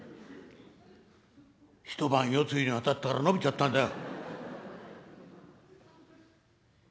「一晩夜露に当たったから伸びちゃったんだよ」。